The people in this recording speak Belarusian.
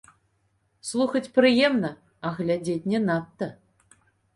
Слухаць прыемна, а глядзець не надта.